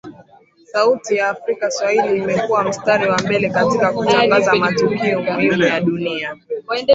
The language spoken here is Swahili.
Sauti ya Afrika Swahili imekua mstari wa mbele katika kutangaza matukio muhimu ya dunia